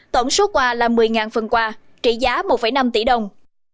tổng số quà là một mươi phần quà trị giá một năm tỷ đồng